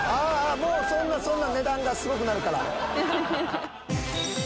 もうそんなそんな値段がすごくなるから。